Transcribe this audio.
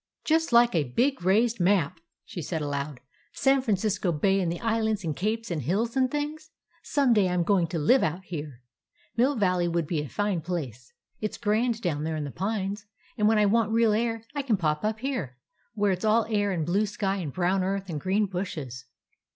"Just like a big raised map," she said aloud; "San Francisco Bay and the islands and capes and hills and things. Some day I 'm going to live out here. Mill Valley would be a fine place. It 's grand down there in the pines, and when I want real air I can pop up here, where it 's all air and blue sky and brown earth and green bushes."